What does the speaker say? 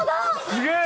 すげえ！